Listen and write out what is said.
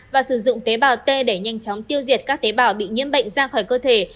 và sử dụng tế bào t để nhanh chóng tiêu diệt các tế bào bị nhiễm bệnh ra khỏi cơ thể